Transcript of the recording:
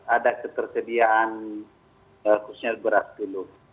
ada ketersediaan kursenya berat dulu